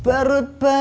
perut perut yang lapar